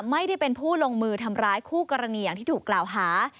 ไม่ได้เป็นผู้ลงมือทำร้ายคู่กรณีอย่างที่ถูกกล่าวหา